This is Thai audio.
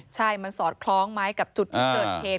ใช่มันสอดคล้องไหมกับจุดที่เกิดเหตุ